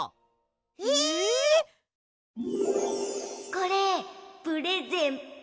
これプレゼント。